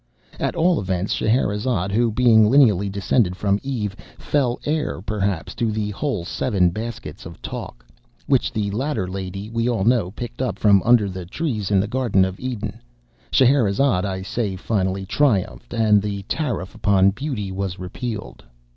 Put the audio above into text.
At all events, Scheherazade, who, being lineally descended from Eve, fell heir, perhaps, to the whole seven baskets of talk, which the latter lady, we all know, picked up from under the trees in the garden of Eden; Scheherazade, I say, finally triumphed, and the tariff upon beauty was repealed.